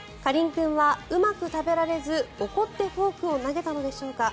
君はうまく食べられず怒ってフォークを投げたのでしょうか。